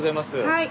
はい。